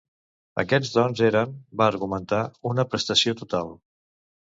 Aquests dons eren, va argumentar, una prestació total.